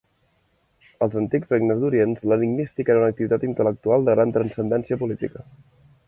Als antics regnes d'Orient, l'enigmística era una activitat intel·lectual de gran transcendència política.